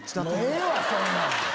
ええわそんなん！